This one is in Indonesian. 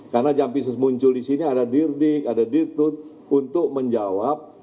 karena jampisus muncul di sini ada dirdik ada dirtut untuk menjawab